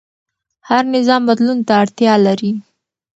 هر نظام بدلون ته اړتیا لري